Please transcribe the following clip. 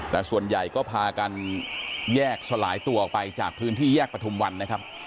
แต่ส่วนใหญ่ก็พากันแยกสลายตัวออกไปจากพื้นที่แยกประทุมวันนะครับ